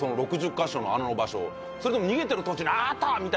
か所の穴の場所をそれとも逃げてる時にああった！